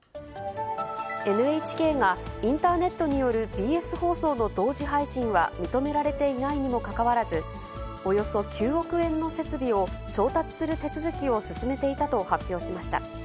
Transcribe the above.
ＮＨＫがインターネットによるＢＳ放送の同時配信は認められていないにもかかわらず、およそ９億円の設備を調達する手続きを進めていたと発表しました。